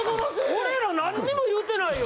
・俺ら何も言うてないよ。